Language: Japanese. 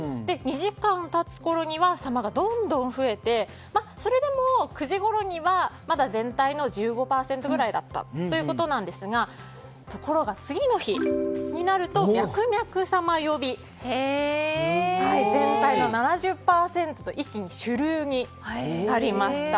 ２時間経つころには「様」がどんどん増えてそれでも９時ごろにはまだ全体の１５％ぐらいだったということですがところが次の日になるとミャクミャク様呼び全体の７０％と一気に主流になりました。